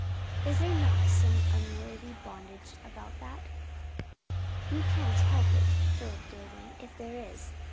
"Is there not some unworthy bondage about that?" "You can't help it, Philip Dillwyn, if there is.